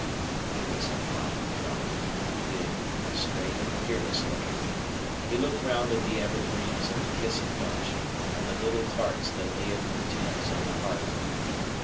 He was a fine fellow, big, straight, and fearless looking. He looked round at the evergreens and the kissing bunch, and the little tarts that lay in their tins on the hearth.